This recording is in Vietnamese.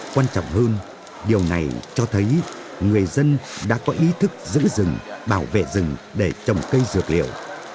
quan trọng hơn điều này cho thấy người dân đã có ý thức giữ rừng bảo vệ rừng để trồng cây dược liệu